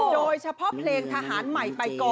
โดยเฉพาะเพลงทหารใหม่ไปกอ